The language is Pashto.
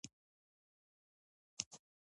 توپونه وغړمبېدل.